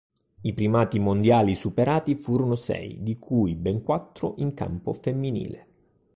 I primati mondiali superati furono sei, di cui ben quattro in campo femminile.